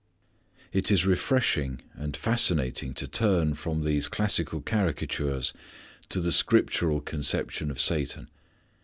It is refreshing and fascinating to turn from these classical caricatures to the scriptural conception of Satan.